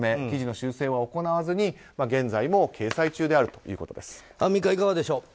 記事の修正は行わずに現在も掲載中であるということです。